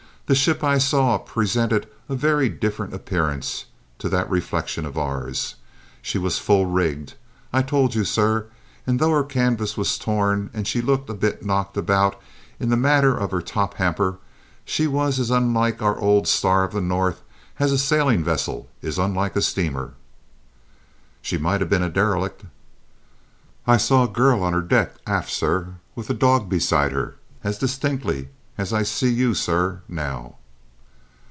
"The ship I saw presented a very different appearance to that reflection of ours! She was full rigged, I told you, sir, and though her canvas was torn and she looked a bit knocked about in the matter of her tophamper, she was as unlike our old Star of the North as a sailing vessel is unlike a steamer!" "She might have been a derelict." "I saw a girl on her deck aft, sir, with a dog beside her, as distinctly as I see you, sir, now!"